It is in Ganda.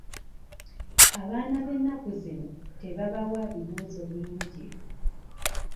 Abaana b'ennaku zino tebabawa bibuuzo bingi.